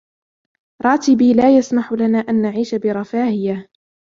راتبي لا يسمح لنا أن نعيش برفاهية.